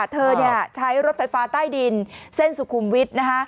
เธอใช้รถไฟฟ้าใต้ดินเส้นสุขุมวิทย์